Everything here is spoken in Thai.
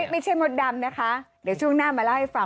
ไม่ใช่มดดำนะคะเดี๋ยวช่วงหน้ามาเล่าให้ฟัง